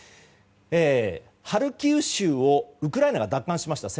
ハルキウ州をウクライナが先月、奪還しました。